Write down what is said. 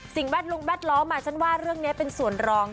แวดวงแวดล้อมฉันว่าเรื่องนี้เป็นส่วนรอง